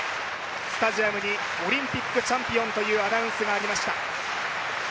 スタジアムにオリンピックチャンピオンというアナウンスがありました。